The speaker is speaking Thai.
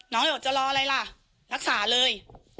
น้องเล็กว่าจะรออะไรล่ะรักษาเลย